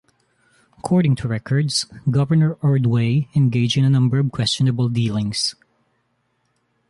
According to records, Governor Ordway engaged in a number of questionable dealings.